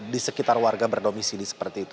di sekitar warga berdomisili seperti itu